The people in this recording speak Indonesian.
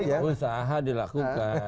enggak usaha dilakukan